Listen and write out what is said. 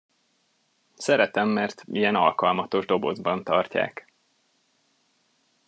Szeretem, mert ilyen alkalmatos dobozban tartják.